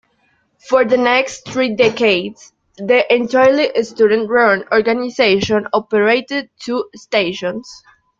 For the next three decades, the entirely student-run organization operated two stations.